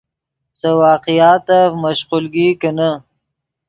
سے واقعاتف مشقولگی کینے